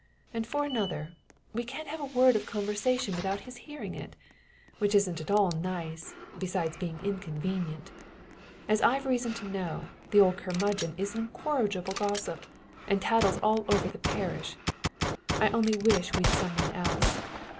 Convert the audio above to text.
And for another, we can't have a word of conversation without his hearing it which isn't at all nice, besides being inconvenient. As I've reason to know, the old curmudgeon is an incorrigible gossip, and tattles all over the parish, I only wish we'd some one else.